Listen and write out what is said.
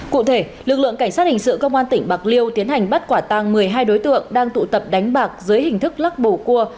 cụ thể lực lượng cảnh sát hình sự công an tỉnh bạc liêu tiến hành bắt quả tăng một mươi hai đối tượng đang tụ tập đánh bạc dưới hình thức lắc bầu cua